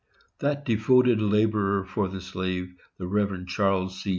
That devoted laborer for the slave, the Rev. Charles C.